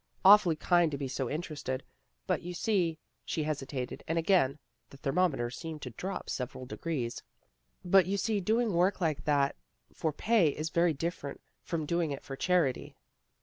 " Awfully kind to be so interested. But you see ' She hesitated, and again the thermom eter seemed to drop several degrees. " But you see doing work like that for pay is very different from doing it for charity."